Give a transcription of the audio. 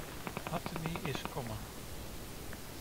Atemi is common.